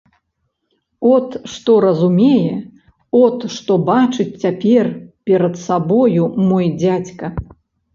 От што разумее, от што бачыць цяпер перад сабою мой дзядзька.